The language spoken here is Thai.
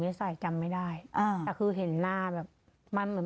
สัยจำไม่ได้อ่าแต่คือเห็นหน้าแบบมั่นเหมือน